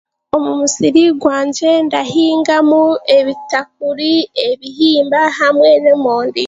Omu musiri gwangye ndahingamu ebitakuri ebihimba hamwe n'emondi